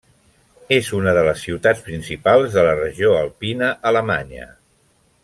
És una de les ciutats principals de la regió alpina alemanya.